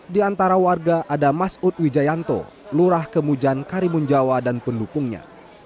di antara warga ada mas ut wijayanto lurah kemujan karimun jawa dan pendukungnya